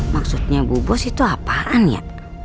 maksudnya bu bos itu apaan ya